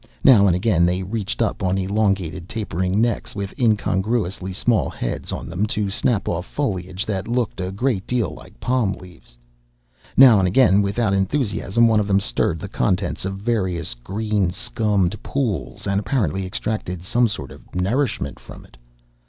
Now and again they reached up on elongated, tapering necks with incongruously small heads on them, to snap off foliage that looked a great deal like palm leaves. Now and again, without enthusiasm, one of them stirred the contents of various green scummed pools and apparently extracted some sort of nourishment from it.